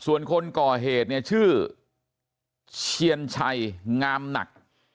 ส่วนคนก่อเหตุเนี่ยชื่อเชียนชัยงามหนัก